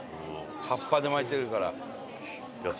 葉っぱで巻いてるから。